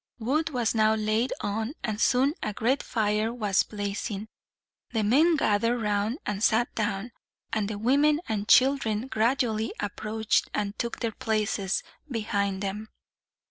Wood was now laid on, and soon a great fire was blazing. The men gathered round and sat down, and the women and children gradually approached, and took their places behind them.